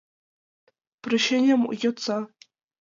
— Прощенийым йодса!